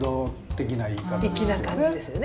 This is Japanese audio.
粋な感じですよね。